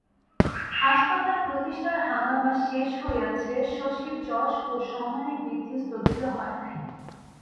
হাসপাতাল প্রতিষ্ঠার হাঙ্গামা শেষ হইয়াছে, শশীর যশ ও সম্মানের বৃদ্ধি স্থগিত হয় নাই।